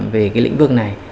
về cái lĩnh vực này